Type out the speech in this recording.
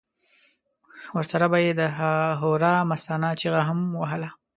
ورسره به یې د هورا مستانه چیغه هم وهله.